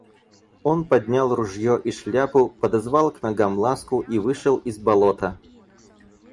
Он поднял ружье и шляпу, подозвал к ногам Ласку и вышел из болота.